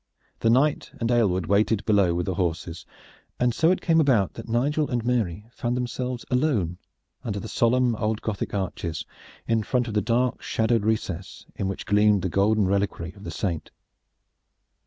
The knight and Aylward waited below with the horses; and so it came about that Nigel and Mary found themselves alone under the solemn old Gothic arches, in front of the dark shadowed recess in which gleamed the golden reliquary of the saint.